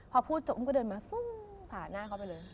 พอพูดจบอุ้มก็เดินมาผ่าหน้าเขาไปเลย